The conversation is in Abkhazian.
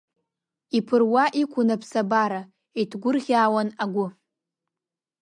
Иԥыруа иқәын аԥсабара, иҭгәырӷьаауан агәы!